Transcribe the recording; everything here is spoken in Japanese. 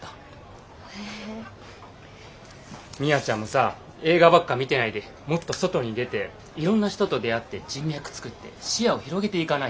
ミワちゃんもさ映画ばっか見てないでもっと外に出ていろんな人と出会って人脈つくって視野を広げていかないと。